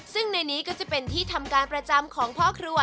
ซึ่งในนี้ก็จะเป็นที่ทำการประจำของพ่อครัว